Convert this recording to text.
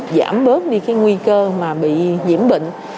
giảm bớt đi cái nguy cơ mà bị nhiễm bệnh